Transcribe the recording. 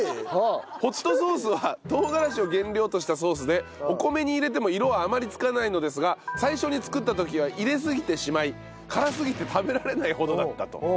ホットソースは唐辛子を原料としたソースでお米に入れても色はあまり付かないのですが最初に作った時は入れすぎてしまい辛すぎて食べられないほどだったと。